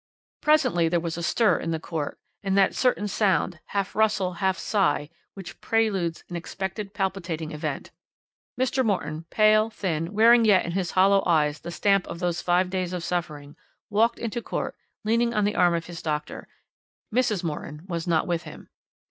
"Presently there was a stir in the court, and that certain sound, half rustle, half sigh, which preludes an expected palpitating event. Mr. Morton, pale, thin, wearing yet in his hollow eyes the stamp of those five days of suffering, walked into court leaning on the arm of his doctor Mrs. Morton was not with him.